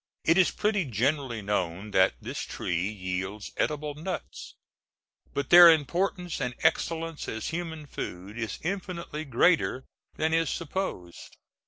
It is pretty generally known that this tree yields edible nuts, but their importance and excellence as human food is infinitely greater than is supposed.